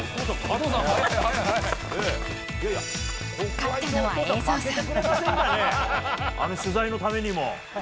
勝ったのは栄造さん。